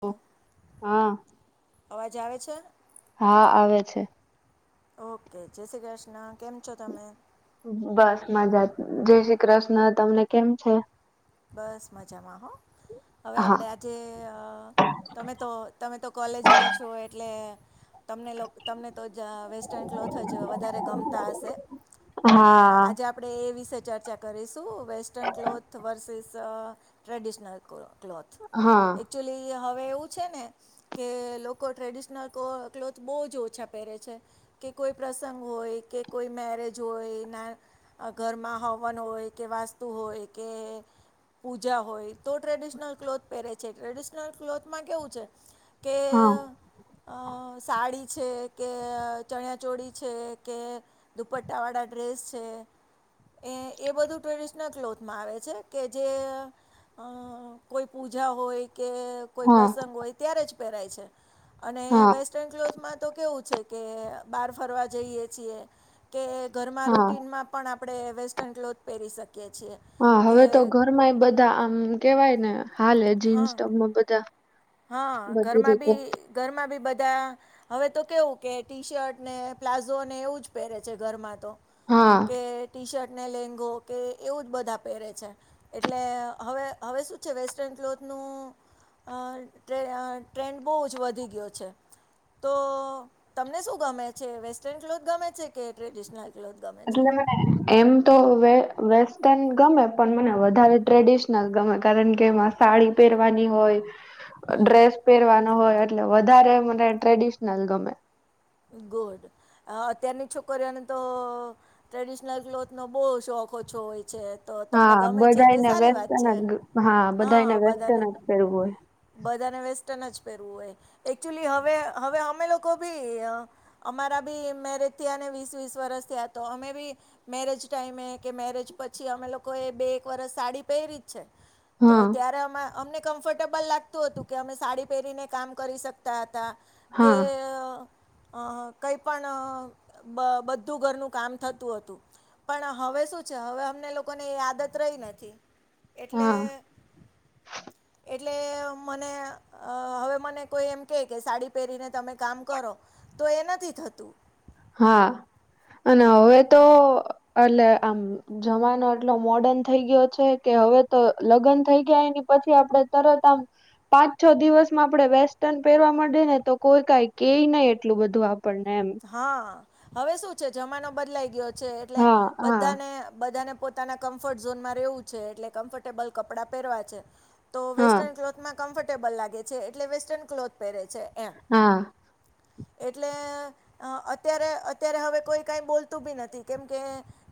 ઓ હા. જ આવે છે. હા આવે છે. ઓકે જય શ્રી કૃષ્ણ. કેમ છો તમે બસ મજા જય શ્રી કૃષ્ણ તમને કેમ છે. બસ મજામાં હો. હવે હા આપણે આજે તમે તો તમે તો કોલેજમાં છો એટલે તમને લોકો તમને તો જ વેસ્ટર્ન ક્લોથ જ વધારે ગમતા હશે. પણ હા આજે આપડે એ વિષ ચર્ચા કરીશું western cloth versus traditional cloth cloth હા એકક્ચુલી હવે એવું છે ને કે લોકો ટ્રેડિશનલ ક્લોથ બહુ જ ઓછા પહેરે છે. કે કોઈ પ્રસંગ હોય કે કોઈ મેરેજ હોય ના ઘરમાં હવન હોય કે વસ્તુ હોય કે પૂજા હોય તો ટ્રેડિશનલ ક્લોથ પહેરે છે ટ્રેડિશનલ ક્લોથમાં કેવું છે. કે હા સાડી છે કે ચણિયા ચોળી છે કે દુપટ્ટા વાળા ડ્રેસ છે. એ એ બધું ટ્રેડિશનલ ક્લોથ માં આવે છે કે જે કોઈ પૂજા હોય કે કોઈ હા પ્રસંગ હોય ત્યારે પય અને વેસ્ટર્ન ક્લોથમાં તો કેવું છે. કે બહાર ફરવા જઈએ છીએ કે ઘરમાં હા રૂટટીનમાં પણ આપણે. આપણે વેસ્ટર્ન ક્લોથ પહેરી શકીએ છીએ હા કે. હવે તો ઘરમાં બધા આમ કેવાય ને હાલે જીન્સ હા ટપમાં બધા. હા બધી ઘરમાં રીતે બી ઘર. બી બધા હવે તો કેવું કે ટી શર્ટ ને પ્લાઝો ને એવું જ પહેરે છે ઘરમાં. હા કે ટી શર્ટ. ને લેંગો કે એવું જ બધા પહેરે છે એટલે હવે હવે શું છે વેસ્ટર્ન ક્લોથ. નું ટ્રેન્ડ બહ જ વધી ગયો છે. તો તમને શું ગમે છે વેસ્ટર્ન ક્લોથ ગમે છે કે ટ્રેડિશનલ. ક્લોથ ગમે છે એટલે મને એમ તો. વેસ્ટર્ન ગમે પણ મને વધારે ટ્રેડિશનલ ગમે કારણ કે એમાં સાડી પહેરવાની હોય. ડ્રેસ પહેરવાનો હોય એટલે વધારે મને ટ્રેડિશનલ ગમે. ગુડ અત્યારની છોકરીઓને તો ટ્રેડિશનલ ક્લોથ નો બહ શોખ. કચો હોય. છે તો તમને હા ગમે છે તે બધાને સારી વાત વેસ્ટન છે જ હા બધાને વેસ્ટર્ન જ કરવું હોય. બધાને વેસ્ટર્ન જ પહેરવું હોય એકચુલી હવે હવે અમે લોકો ભી. અમારા બી મેરેજ થયા વી વસ વરસ થયા તો અમે બી મેરેજ ટાઈમે કે. મેરેજ પછી અમે લોકો એ બે એક વરષ સાડી પહેરી. તો હોય ત્યારે અમને કમ્ફર્ટેબલ લાગતું હતું કે અમેડી. પહેરીને કામ કરી શકતા હતા હા કે. હા અ કઈ પણ બધું ઘરનું કામ થતું હતું પણ હવે. શું છે હવે અમને લોકો ને એ આદત રહી નથી. એટલે. હા એટલે મને હવે મને કોઈ એમ કહે કે સાડી પહેરીને તમે કામ કરો. તો એ નથી થતું. હા. અને હવે તો એટલે આમ જમાનો એટલો મોર્ડન થઈ ગયો છે કે. હવે તો લગ્ન થઈ ગયા પછી આપણે તરત આમ પાંચ છ દિવસમાં આપણેે વેસ્ટન. પહેરવા ે ને તો કોઈ કઈ કેઈ નહી એટલું બધું આપણને એમ. હા હવે શું છે જમાનો બદલાઈ ગયો છે એટલે હા હા બધાને બધાને. પોતાના કમ્ફર્ટ ઝોનમાં રહેવું છે એટલે કમ્ફર્ટેબલ કપડાં પહેરવા છે તો હા વેસ્ટર્ન ક્લોથમાં. કમ્ફર્ટેબલ લાગે છે એટલે વેસ્ટર્ન ક્લોથ પહેરે છે એમ. હા એટલે. અત્યારે અત્યારે હવે કોઈ કઈ બોલતું બી નથી કેમ કે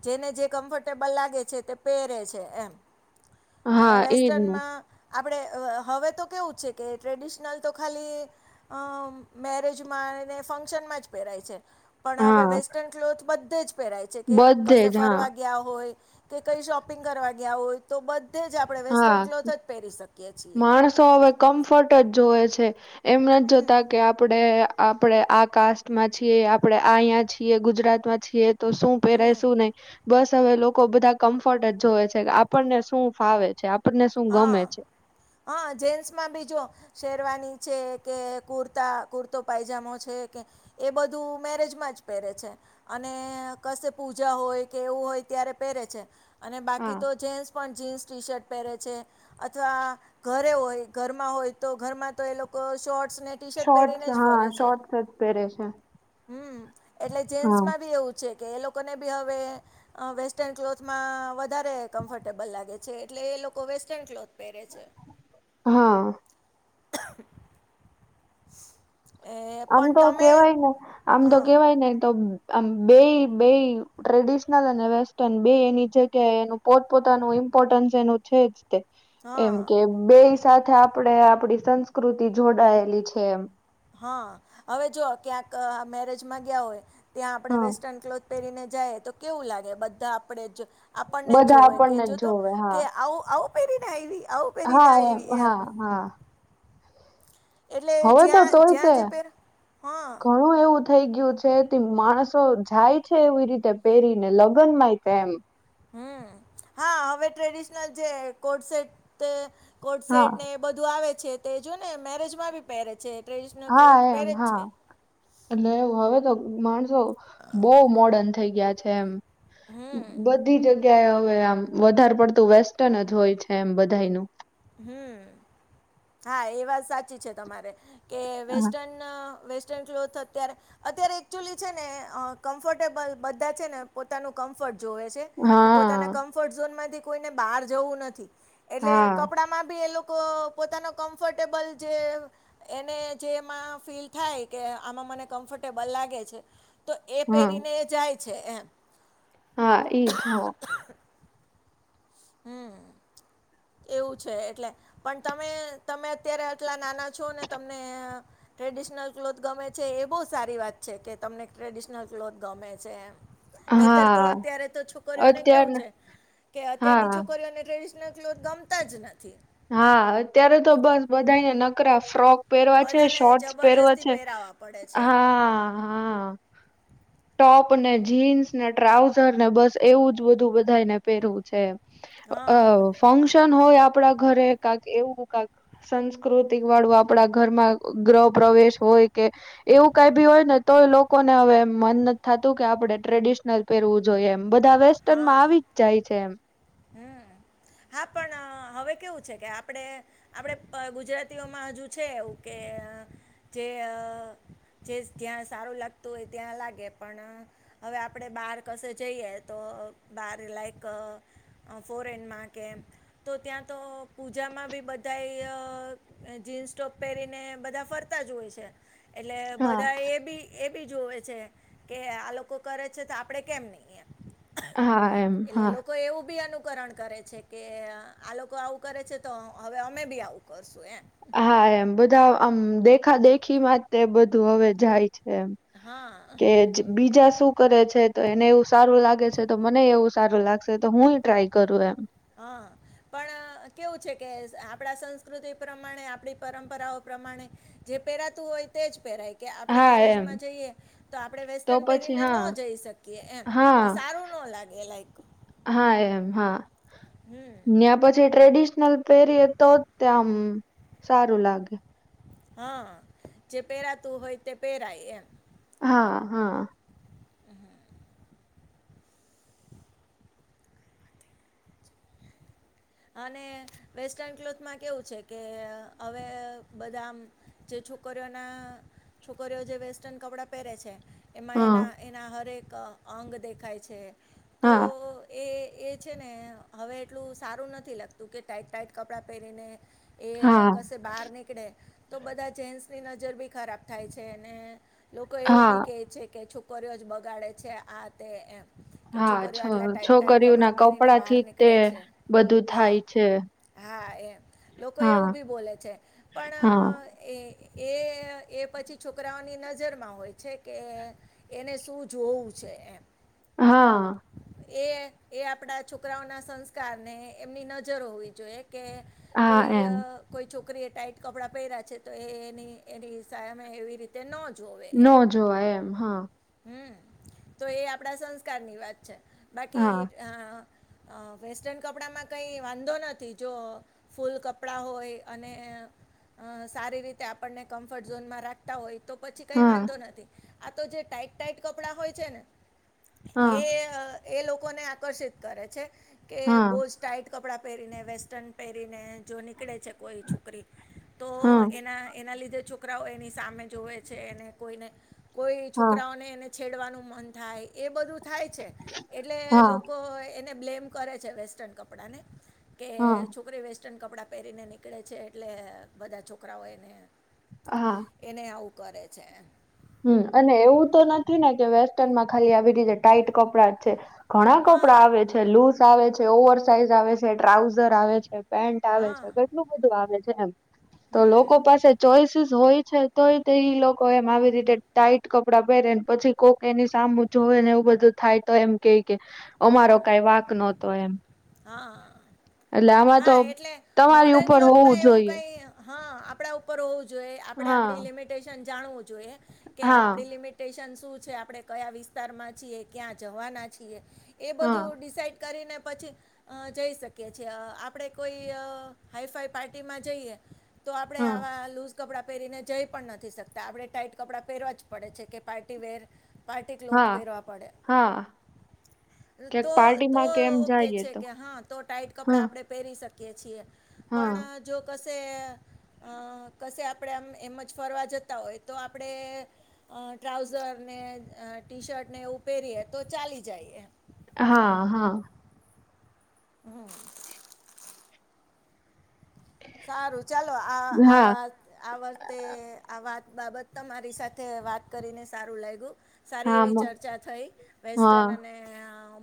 જેને જે કમ્ફર્ટેબલ લાગે. છે તે પહેરે છે એ અને હા એજ ને વેસ્ટનમાં. આપણે હવે તો કેવું જ છે કે ટ્રેડિશનલ તો ખાલી મેરેજમાં. ફંક્શન માં. પહેરાય છે પણ હા હવે વેસ્ટર્ન ક્લોથ બધે જ પહેરાય છે કે બધે કશે જ હા ફરવા ગયા હોય. કે કઈ શોપિંગ કરવા ગયા હોય તો બધે જ આપડણે હા વેસ્ટર્ન ક્લોથ જ પહેરી શકીએ. છીએ માણસો હવે કમ્ફર્ટ જ જોવે છે એમ નથી હમ જોતા કે આપડે. આપણે આ કાસ્ટમાં છીએ આપણે આ અહીંયા છીએ ગુજરાતમાં છીએ. તો શું હમ પહેરા શું નહી. બસ હવે લોકો બધા કમ્ફર્ટ જ જોવે છે કે આપણને શું ફાવે છે આપણને શું ગમે હા છે. હા જેન્સમાં બી જો શેરવાની છે કે કુર્તા કુર્તો પાયજામો છે. એ બધું મેરેજમાં જ પહેરે છે અને ક પૂજા હોય કે એવું. હોય ત્યારે પહેરે છે અને બાકી હા તો જેસ પણ જીન્સ ટી શર્ટ પહેરે છે. અથવા ઘરે હોય ઘરમાં હોય તો ઘરમાં તો એ લોકો શોર્ટ. શોર્ટસ હા શોર્ટસ જ પહેરે છે. હમ એટલે જેન્ટસ હા માં બી એવું છે. કે એ લોકોને બી હવે અહ વેસ્ટર્ન ક્લોથમાં વધારે કમ્ફર્ટેબલ લાગે છે એટલે એ લોકો વેસ્ટર્ન ક્લોથ પહેરે છે હા. [inaudible] આમ પણ તો તમે કેવાય ને આમ તો હા કેવાય ને તો આમ બેય-બેય ટ્રેડિશનલ અને વેસ્ટર્ન બેય એની જગ્યાએ એનું પોતપોતાનું ઈમ પોર્ટન્સ એનું છે જ તે. એમ હા કે બેય સાથે આપણે આપડી સંસ્કૃતિ જોડાયેલી છે એમ. હા હવે જો ક્યાંક આ મેરેજમાં ગયા હોય ત્યાં આપણે હા. વેસ્ટર્ન ક્લોથ પહેરીને જાય તો કેવું લાગે? બધા આપણે જ આપણને બધા જોવે કે આપણને જ જો તો જોવે હા કે આવું-આવું પેરી ને આયવી. હા, એમ હા, હા. એટલે હવે તો તોય તે જ્યાં-જ્યાં જે પેર, હા. ઘણું એવું થઈ ગયું છે તે માણસો જાય છે, એવી રીતે પહેરીને લગ્નમાંય કે એમ. હમ્મ. હા હવે ટ્રેડિશનલ જે કોટ સેેટ તે કોટ હા. સેટ ને એ બધું આવે છે તો એ જો ને મેરેજ માં બી પહેરે છે. ટ્રેડિશનલ હા ક્લોથ એમ પહેરે જ હા. છે એટલે હવે તો માણસો બહુ મોર્ડન થ થઈ ગયા છે એમ. બધી જગ ગ્યાએ હવે આમ વધાર પડતું વેસ્ટર્ન જ હોય છે એમ બધાયનું. હમ્મ, હા એ વાત સાચી છે તમારે. કે હા વેસ્ટર્ન અહ વેસ્ટર્ન ક્લોથ અત્યારે, અત્યારે એકચ્યુઅલી છે ને અહ કમ્ફર્ટેબલ બધા છે ને પોતાનું કમ્ફર્ટ જોવે છે, કે પોતાના હા કમ્ફર્ટ ઝોનમાંથી કોઈને બહાર જવું નથી એટલે હા કપડાંમાં બી એ લોકો પોતાનો કમ્ફર્ટેબલ જે એને જે એમાં ફીલ થાય કે આમાં મને કમ્ફર્ટ ટેબલ લાગે છે તો એ હા પહેરીને જાય છે એમ. હા ઈજ હા. હમ્મ. એવું છે એટલે પણ તમે-તમે અત્યારે આટલા નાના છો ને તમને ટ્રેડિશનલ ક્લોથ ગમે છે, એ બહુ સારી વાત છે કે તમને ટ્રેડિશનલ ક્લોથ ગમે છે એમ. નહીંતર તો હા, અત્યારે તો છોકરીઓને કેવું અત્યારના છે કે અત્યારની હા, છોકરીઓને ટ્રેડિશ એટલે જો ગમતા જ નથી. હા અત્યારે તો બન બધાયને નકરા ફ્રોક પહેરવા છે, બધાને શોર્ટસ પહેરવા જબરજસ્તી છે, પહેરાવા પડે છે હા, હા. ટોપ ને જીન્સ ને ટ્રાઉઝર ને બસ એવું જ બધું બધાયને પહેરવું છે એમ. અહ હા ફંક્શન ન હોય આપણા ઘરે કાક એવું કાક સંસ્કૃતિક વાળું આપડા ઘરમાં ગ ગ્રહપ્ર પ્રવેશ હોય કે એવું કાઈ ભી હોય ને તોય લોકોને હવે એમ મન નત થાતું કે આપણે ટ્રેડિશનલ પહેરવું જોઈએ એમ. બધા વેસ્ટર્નમાં આવી જ જાય છે એમ. હમ્મ. હા પણ અહ હવે કેવું છે કે આપડે-આપડે ગુજરાતીઓમાં હજુ છે એવું કે કે અહ જે અહ જે જ્યાં સારું લાગતું હોય ત્યાં લાગે, પણ હવે આપડે બહાર કશે જઈએ તો બારે લાઈક અહ અહ ફોરેનમાં કે એમ, તો ત્યાં તો પૂજા માં બી બધાય અહ જીન્સ ટોપ પહેરીને બધા ફરતા જ હોય છે. એટલે હા, બધા એ બી એ બી જોવે છે કે આ લોકો કરે છે તો આપડે કેમ નહી એમ. હા એમ એટલે હા. લોકો એવું બી અનુ અકરણ કરે છે કે અહ આ લોકો આવું કરે છે તો હ હવે અમે બી આવું કરશું એમ. હા એમ બધા આમ દેખા દેખી મા તે બધું હવે જાય. છે એમ. હા કે જ બીજા શું કરે છે તો એને એવું સારું લાગે છે. તો મને એવું સારું લાગશે તો હું ટ્રાય કરું એમ. હા પણ કેવું છે કે આપણા સંસ્કૃતિ પ્રમાણે આપણી પરંપરાઓ. પ્રમાણે જે પહેરાતું હોય તે જ પહેરાય. કે આપણે હા એમ મેરેજમાં જઈએ તો આપણે તો વેસ્ટર્ન પછી પહેરીને ન હા જઈ શકીએ એમ હા સારું. લાગે લાઇક. હા એમ હા હમ ન્યાય પછી ટ્રેડિશનલ. પહેરી એ તો ત્યા સારું લાગે. હા જે પહેરાતું હોય તે પહેરાય એમ. હા હા. [inaudible] અને વેસ્ટન ક્લોથમાં કેવું છે કે હવે બદામ. છોકરીઓના છોકરીઓ જે વેસ્ટર્ન કપડાં પહેરે છે. એમાં હા એના એના હરેક અંગ દેખાય છે. તો હા. એ એ છે ને હવે એટલું સારું નથી લાગતું કે ટાાઈટ ટાાઈટ કપડાં પહેરીને. એ હા કશે બહાર નીકળે. તો બધા જેન્ટસની નજર બી ખરાબ થાય છે અને લોકો એવું બી હા કેહે છે કે. કર્યો જ બગાડે છે આ તે એ. હા છ છોકરી્યું ના પહેરીને કપડા બહાર થી તે નીકળે છે બધું. હા થાય છે હા એ લોકો એવું હા બી બોલે છે હા પણ એ. એ પછી છોકરાઓની નજરમાં હોય છે કે એને શું જોવું. પૂછે એ. હા. એ એ આપણા છોકરાઓના સંસ્કારને એમની નજર હોવી જોઈએ. કે હા કોઈ એમ કોઈ ચ. છોકરીએ ટાાઈટ કપડાં પહેર્યાં છે તો એ એની એની સામે એવી રીતે ન જ. ન જોવા એમ હા. હમ તો એ આપડા સંસ્કારની વાત છે બાકી. હા, અ વેસ્ટર્ન કપડામાં. કંઈ વાંધો નથી જો ફૂલ કપડાં હોય અને. અ સારી રીતે આપણને કમ્ફર્ટ ઝોનમાં રાખતા હોય તો. પછી કંઈ હા, વાંધો નથી આ તો જે ટાાઈટ ટાાઈટ કપડાં હોય છે ને હા, એ. એ લોકોને આકર્ષિત કરે છે કે હા, બોજ. ટાાઈટ કપડાં પહેરીને વેસ્ટન પહેરીને. જો નીકળે છે કોઈ છોકરી તો હા, એના એના લીધે છોક. છોકરાઓ એની સામે જોવે છેને કોઈને કોઈ હા, છોકરાઓને એ. છેડવાનું મન થાય એ બધું થાય છે એટલે હા, લોકો એને. બ્લેમ કરે છે વેસ્ટર્ન કપડા ને કે હા, છોકરી વ. વસ્ટર્ન કપડાં પહેરીને નીકળે છે એટલે બધા છોકરાઓ એને હા, એને આવું. કરે છે. હમ અને એવું તો નથી ને કે વેસ્ટર્ન માં ખાલી આવી રીતે ટાાઈટ કપડાં છે. ઘણા હા કપડા આવે છે લુઝ આવે છે ઓવર સાઇઝ આવે છે ટ્રાઉઝર આવે છે. પેન્ટ આવે હા છે કેટલું બધું આવે છે એમ તો હમ લોકો પાસે ચોઈસીસ હોય. તોય તે એ લોકો એમ આવી રીતે. ટાઈટ કપડાં પહેરે ને પછી કોકેની સામું જોવેને એવું બધું થાય તો એમ કે. અમારો કઈ વાક નહતો એમ. હા એટલે આમાં તો હા એટલે તમારી મોડન ઉપર ક્લોથ માં હોવું એવું જોઈએ. કઈ. હા આપણા ઉપર હોવું જોઈએ આપણે હા આપણી લિમિટેશન જાણવું જોઈએ. કે હા આપડી લિમિટેશન શું છે આપણે કયા વિસ્તારમાં છીએ ક્યાં જવાના છીએ. એ હા બધું ડિસાઇડ. કરીને પછી, જઈ શકીએ છીએ આપણે કોઈ હાઈ ફાઈ પાર્ટીમાં જઈએ. તો આપડે હા આવા કપડાં પહેરીને જઈ પણ નથી શકતા આપડણે ટાઈટ કપડાં પહેરવા જ પડે છે કે પાર્ટી વર. પાર્ટી ક્લોથ હા પહેરવા પડે. હા ક્યાંક તો તો પાર્ટીમાં કે એમ ઓકે જાઈએ છે તો કે હા તો ટાઈટ કપડાં હા આપણે પહેરી શકીએ છીએ. હા પણ જો કસે અ કશે આપડ આમ એમ જ ફરવા જતા હોય તો આપડે, ટ્રાઉઝર ને ટી શર્ટ ને એવું પહેરીએ તો ચાલી જાયએ. હા હા. [inaudible] સારું ચાલો આ હા આવા આ વર્તે આ વાત બાબત તમારી સાથે વાત કરીને સારું લાગ્યું. સારી હા એવી ચર્ચા થઈ, હા વેસ્ટન અને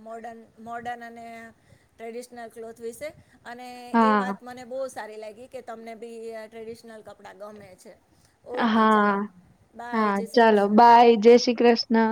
મોડન મોર્ડન અને ટ્રેડિશનલ ક્લોથ વિશે, અને એ હા વાત મને બહુ સારી લાગી કે તમને બી ટ્રેડિશનલ કપડાં ગમે છે. ઓકે હા, ચાલો બાય હા જય શ્રી ચાલો કૃષ્ણ બાય જય શ્રી કૃષ્ણ.